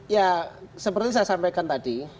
ya seperti saya sampaikan tadi